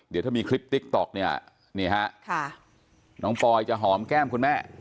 เดี๋ยวถ้ามีคลิปติ๊กต๊อกเนี่ยนี่ฮะน้องปอยจะหอมแก้มคุณแม่